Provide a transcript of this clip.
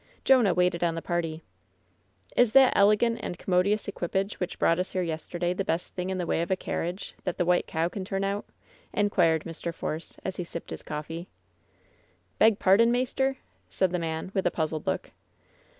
Jonah waited on the party. "Is that elegant and commodious equipage which brought us here yesterday the best thing in the way of 206 LOVE'S BITTEREST CUP a carriage that the White Cow can turn out V^ inquired Mr. Force, as he sipped his coffee. "Beg pardon, maister ?" said the man, with a pnzzled look.